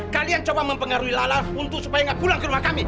kalian coba mempengaruhi lalaf untuk supaya nggak pulang ke rumah kami